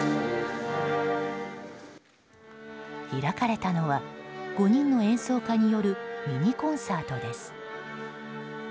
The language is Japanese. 開かれたのは５人の演奏家によるミニコンサートです。